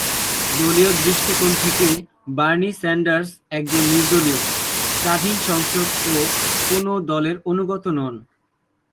দলীয় দৃষ্টিকোণ থেকে বার্নি স্যান্ডার্স একজন নির্দলীয়, স্বাধীন সাংসদ ও কোনও দলের অনুগত নন।